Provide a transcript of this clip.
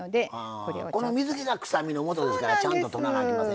この水けが臭みのもとですからちゃんととらなあきませんな。